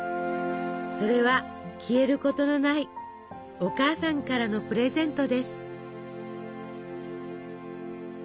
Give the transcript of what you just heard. それは消えることのないお母さんからのプレゼントです。